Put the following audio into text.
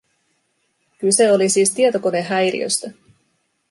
Kyse oli siis tietokonehäiriöstä.